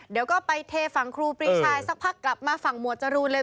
เดี๋ยวก็ไปเทฝั่งครูปรีชายสักพักกลับมาฝั่งหมวดจรูนเลย